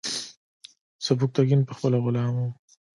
سبکتیګن پخپله غلام و.